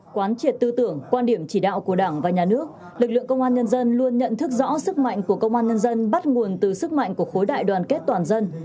quán triệt tư tưởng quan điểm chỉ đạo của đảng và nhà nước lực lượng công an nhân dân luôn nhận thức rõ sức mạnh của công an nhân dân bắt nguồn từ sức mạnh của khối đại đoàn kết toàn dân